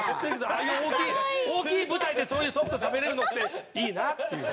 ああいう大きい大きい舞台でそういうしゃべれるのっていいなっていう。